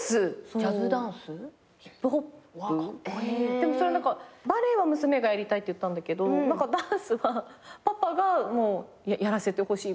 でもバレエは娘がやりたいって言ったんだけどダンスはパパがやらせてほしいみたいな感じで。